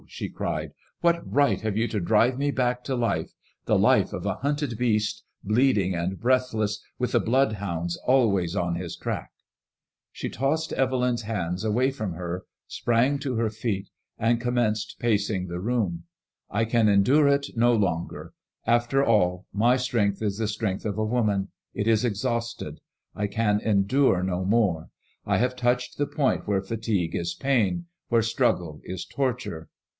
'* she cried. " What right have you to drive me back to life — the life of a hunted beast, bleed ing and breathless, with the bloodhounds always on his track ?" She tossed Evelyn's hands away from her, sprang to her 1 7a MAD£M01SKLLI IXE. feet, and commenced pacing the room* " I can endure it no longer. After all, my strength is the strength of a woman. It is exhausted. I can endure no more. I have touched the point where fatigue is pain, where struggle is torture.